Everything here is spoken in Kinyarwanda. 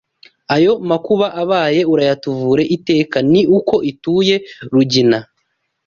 Ayo makuba abaye urayatuvura Iteka ni uko ituye Rugina